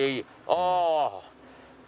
ああ。